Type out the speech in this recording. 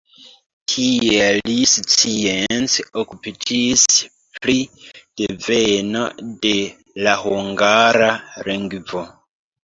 Tie li science okupiĝis pri deveno de la hungara lingvo.